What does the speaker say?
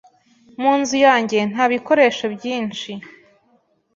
Mu nzu yanjye nta bikoresho byinshi.